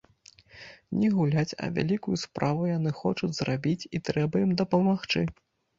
Не гуляць, а вялікую справу яны хочуць зрабіць, і трэба ім дапамагчы.